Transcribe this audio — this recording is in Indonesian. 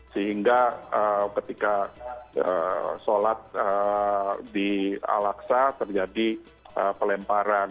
sehingga ketika sholat di al aqsa terjadi pelemparan